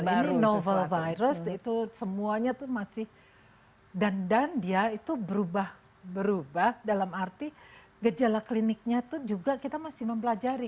ini novel virus itu semuanya tuh masih dan dia itu berubah berubah dalam arti gejala kliniknya itu juga kita masih mempelajari